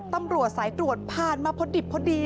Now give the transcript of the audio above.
ตำรวจสายตรวจผ่านมาพอดิบพอดี